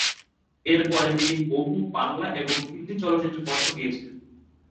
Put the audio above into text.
এর পরে, তিনি বহু বাংলা এবং হিন্দি চলচ্চিত্রে কণ্ঠ দিয়েছেন।